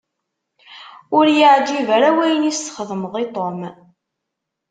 Ur y-iεǧib ara wayen i s-txedmeḍ i Tom.